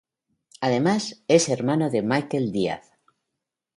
Además, es hermano de Michael Díaz.